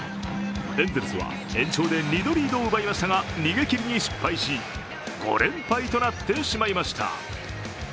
エンゼルスは延長で２度リードを奪いましたが逃げきりに失敗し、５連敗となってしまいました。